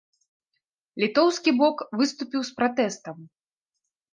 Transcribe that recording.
Літоўскі бок выступіў з пратэстам.